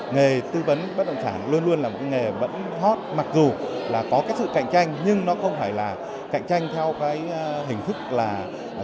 nghề tư vấn bất động sản luôn luôn là một cái nghề vẫn hot mặc dù là có cái sự cạnh tranh nhưng nó không phải là cạnh tranh theo cái hình thức là